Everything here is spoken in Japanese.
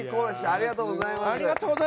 ありがとうございます。